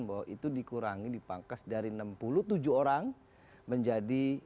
bahwa itu dikurangi dipangkas dari enam puluh tujuh orang menjadi